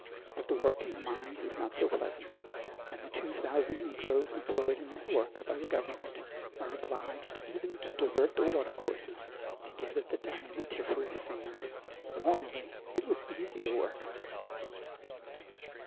But the work in the mines is not so pleasant, and the two thousand negroes employed in that work by the government are obliged even to divert the watercourses to get at the diamantiferous sand. Formerly it was easier work."